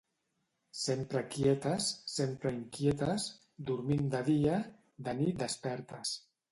Sempre quietes, sempre inquietes. Dormint de dia, de nit despertes.